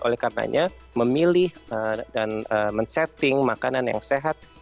oleh karenanya memilih dan men setting makanan yang sehat